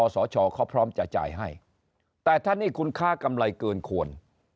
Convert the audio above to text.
สชเขาพร้อมจะจ่ายให้แต่ถ้านี่คุณค้ากำไรเกินควร